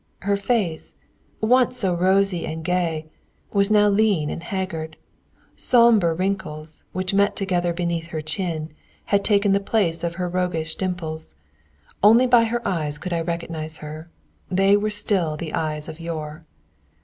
Her face, once so rosy and gay, was now lean and haggard; sombre wrinkles, which met together beneath her chin, had taken the place of her roguish dimples. Only by her eyes could I recognise her: they were still the eyes of yore.